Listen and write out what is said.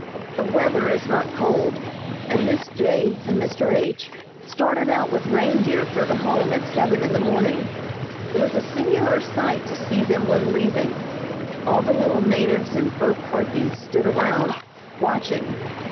The weather is not cold and Miss J. and Mr. H. started out with reindeer for the Home at seven in the morning. It was a singular sight to see them when leaving. All the little natives in fur parkies stood around, watching.